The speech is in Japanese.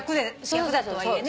役だとはいえね。